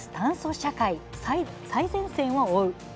社会最前線を追う」。